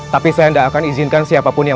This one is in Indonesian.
tapi saya tidak akan izinkan siapapun yang